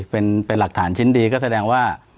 เป็นหลักฐานชิ้นดีก็แสดงว่า